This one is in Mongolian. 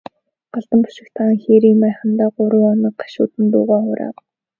Галдан бошигт хаан хээрийн майхандаа гурван хоног гашуудан дуугаа хураав.